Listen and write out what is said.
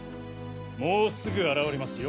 もうすぐ現れますよ